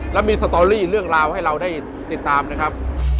แล้วมีสตอรี่เรื่องราวให้เราได้ติดตามนะครับ